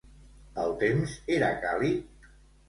El temps era càlid?